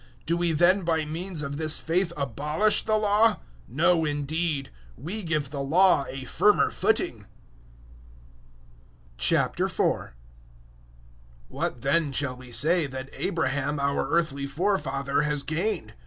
003:031 Do we then by means of this faith abolish the Law? No, indeed; we give the Law a firmer footing. 004:001 What then shall we say that Abraham, our earthly forefather, has gained?